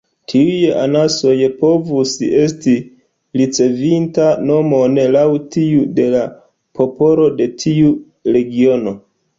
Tiuj anasoj povus esti ricevinta nomon laŭ tiu de la popolo de tiu regiono.